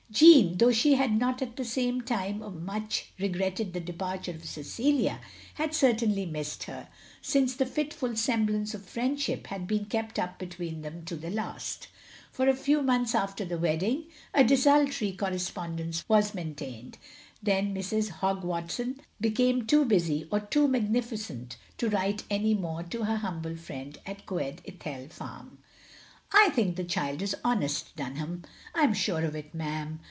Jeanne, though she had not at the time much regretted the departure of Cecilia, had certainly missed her, since a fitful semblance of friendship had been kept up between them to the last. For a few months after the wedding, a desultory correspondence was maintained; then Mrs. Hogg Watson became too busy or too magnificent to write any more to her humble friend at Coed Ithel farm. "I think the child is honest, Dunham." "I am sure of it, ma'am."